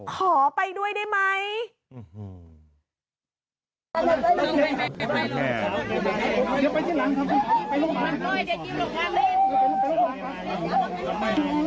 ขอไปด้วยได้ไหม